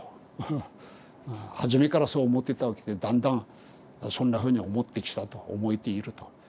はじめからそう思ってたわけでだんだんそんなふうに思ってきたと思えていると。